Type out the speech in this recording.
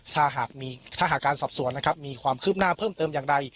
ถ้าหากการสอบสวนนะครับมีความคืบหน้าเพิ่มเติมอย่างไร